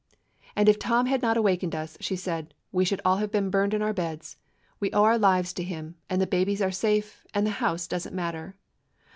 "And if Tom had not awakened us," she said, "we should all have been burned in our beds. We owe our lives to him, and the babies are safe, and the house does n't matter."